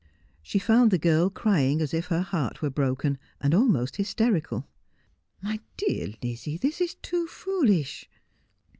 She found the girl crying as if her heart wore broken and almost hysterical. 296 Just as I Am. ' My dear Lizzie, tliis is too foolish.'